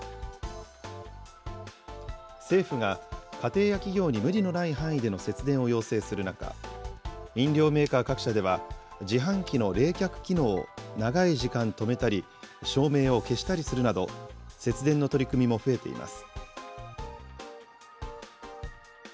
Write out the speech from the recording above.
政府が家庭や企業に無理のない範囲で節電を要請する中、飲料メーカー各社では、自販機の冷却機能を長い時間止めたり、照明を消したりするなど、節電の取り組みも増えています。